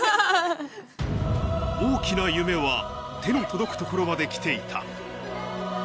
大きな夢は手の届くところまで来ていた。